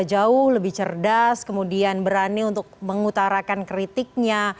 jauh lebih cerdas kemudian berani untuk mengutarakan kritiknya